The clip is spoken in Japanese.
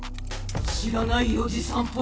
知らないおじさんぽよ！